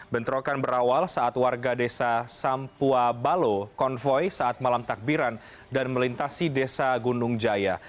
bentrokan berawal saat warga desa sampua balo konvoy saat malam takbiran dan melintasi desa gunung jaya